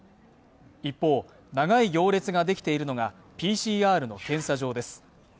一方、長い行列ができているのがＰＣＲの検査場です。